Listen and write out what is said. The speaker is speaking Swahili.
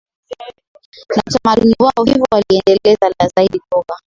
na utamaduni wao Hivyo waliendeleza zaidi lugha